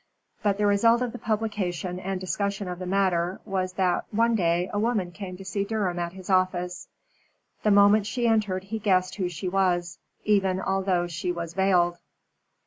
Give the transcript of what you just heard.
But the result of the publication and discussion of the matter was that one day a woman came to see Durham at his office. The moment she entered he guessed who she was, even although she was veiled.